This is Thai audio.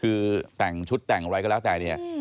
คือแต่งชุดแต่งอะไรก็แล้วแต่เนี่ย